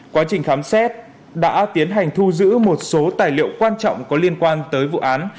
quá trình khám xét đã tiến hành thu giữ một số tài liệu quan trọng có liên quan tới vụ án